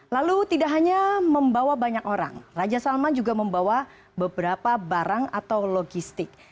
lalu tidak hanya membawa banyak orang raja salman juga membawa beberapa barang atau logistik